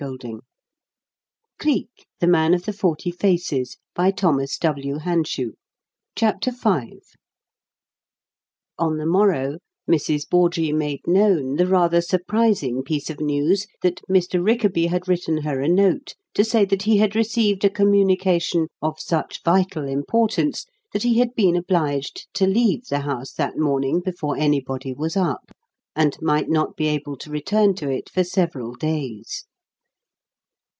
Ten minutes later, he was out of the house, and the end of the riddle was in sight. CHAPTER V On the morrow, Mrs. Bawdrey made known the rather surprising piece of news that Mr. Rickaby had written her a note to say that he had received a communication of such vital importance that he had been obliged to leave the house that morning before anybody was up, and might not be able to return to it for several days.